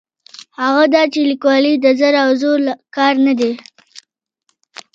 هغه دا چې لیکوالي د زر او زور کار نه دی.